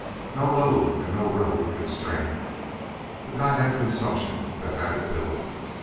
No load an' no road can strain it. The guy had consumption that had it built.